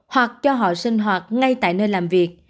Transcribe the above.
hoặc cho họ sinh hoạt ngay tại nơi làm việc